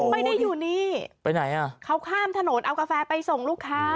ไม่ได้อยู่นี่ไปไหนอ่ะเขาข้ามถนนเอากาแฟไปส่งลูกค้า